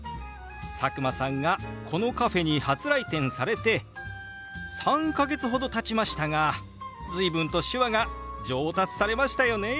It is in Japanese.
佐久間さんがこのカフェに初来店されて３か月ほどたちましたが随分と手話が上達されましたよね！